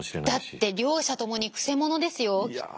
だって両者ともにくせ者ですよきっと。